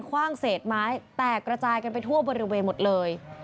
ว่างเศษไม้แตกระจายกันไปทั่วบริเวณหมดเลย